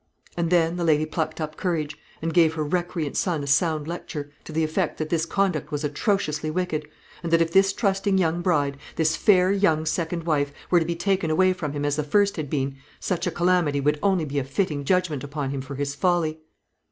And then the lady plucked up courage and gave her recreant son a sound lecture, to the effect that this conduct was atrociously wicked; and that if this trusting young bride, this fair young second wife, were to be taken away from him as the first had been, such a calamity would only be a fitting judgment upon him for his folly.